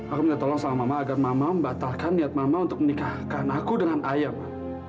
aku minta tolong sama mama agar mama membatalkan niat mama untuk menikahkan aku dengan ayam